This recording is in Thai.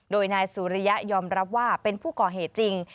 โดยนายสุริยะยอมรับว่าเป็นผู้ก่อเหตุจริง